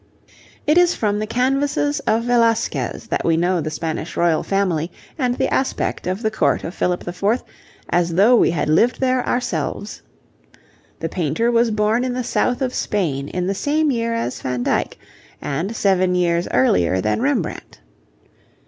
It is from the canvases of Velasquez that we know the Spanish Royal Family and the aspect of the Court of Philip IV. as though we had lived there ourselves. The painter was born in the south of Spain in the same year as Van Dyck, and seven years earlier than Rembrandt.